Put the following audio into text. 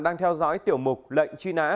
đang theo dõi tiểu mục lệnh truy nã